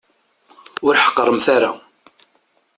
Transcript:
Ur ḥeqqremt ara.